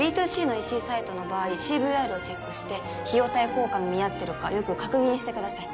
ＢｔｏＣのＥＣサイトの場合ＣＶＲをチェックして費用対効果に見合ってるかよく確認してください